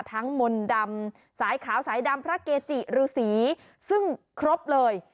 มนต์ดำสายขาวสายดำพระเกจิฤษีซึ่งครบเลย